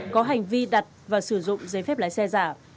có hành vi đặt và sử dụng giấy phép lái xe giả